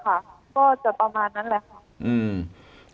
ก็จะประมาณนั้นแหละค่ะอืม